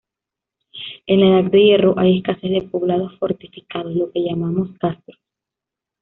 En la edad de hierro, hay escasez de poblados fortificados, lo que llamamos castros.